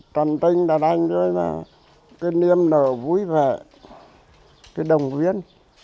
trần tinh đã đánh rồi là cái niềm nở vui vẻ cái đồng viên